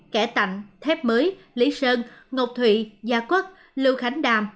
kẻ tạnh thép mới lý sơn ngọc thụy gia quốc lưu khánh đàm